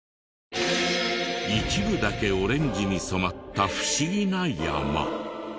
一部だけオレンジに染まった不思議な山。